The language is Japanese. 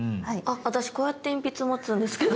私こうやって鉛筆を持つんですけど。